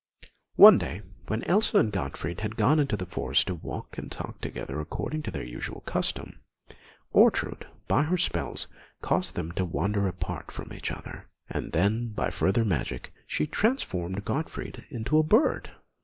One day, when Elsa and Gottfried had gone into the forest to walk and talk together according to their usual custom, Ortrud, by her spells, caused them to wander apart from each other; and then, by further magic, she transformed Gottfried into a bird.